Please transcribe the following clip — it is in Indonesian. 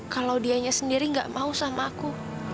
kalau dianya sendiri gak mau sama aku